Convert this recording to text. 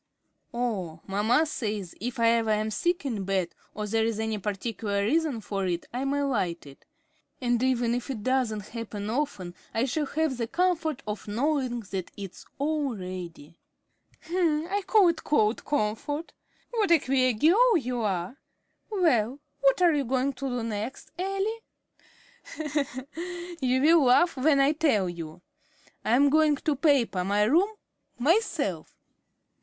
"Oh, mamma says if I ever am sick in bed, or there is any particular reason for it, I may light it. And even if it doesn't happen often, I shall have the comfort of knowing that it's all ready." "I call it cold comfort. What a queer girl you are! Well, what are you going to do next, Elly?" "You will laugh when I tell you. I'm going to paper my room myself."